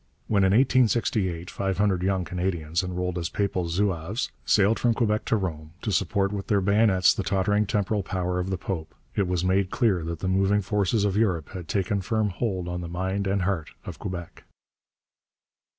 When in 1868 five hundred young Canadians, enrolled as Papal Zouaves, sailed from Quebec to Rome, to support with their bayonets the tottering temporal power of the Pope, it was made clear that the moving forces of Europe had taken firm hold on the mind and heart of Quebec.